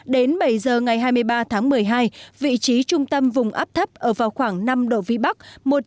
đến bảy giờ ngày hai mươi ba tháng một mươi hai vị trí trung tâm vùng áp thấp ở vào khoảng năm độ vĩ bắc